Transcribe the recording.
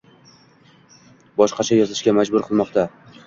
Boshqacha yozishga majbur qilmoqda.